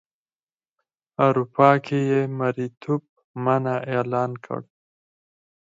اروپا کې یې مریتوب منع اعلان کړ.